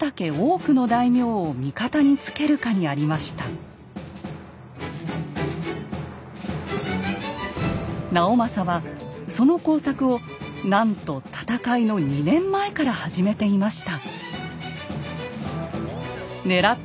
勝敗の分かれ目は直政はその工作をなんと戦いの２年前から始めていました。